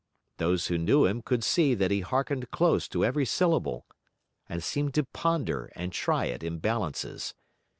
Those who knew him could see that he hearkened close to every syllable, and seemed to ponder and try it in balances.